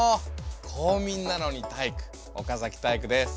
公民なのにタイイク岡崎体育です。